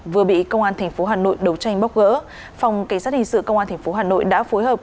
vừa bị công an thành phố hà nội đấu tranh bóc gỡ phòng cảnh sát hình sự công an thành phố hà nội đã phối hợp